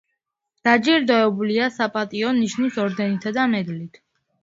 დაჯილდოებულია „საპატიო ნიშნის“ ორდენითა და მედლით.